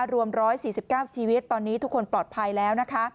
รวม๑๔๙ชีวิตตอนนี้ทุกคนปลอดภัยแล้วนะคะ